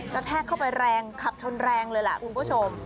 แทกเข้าไปแรงขับชนแรงเลยล่ะคุณผู้ชม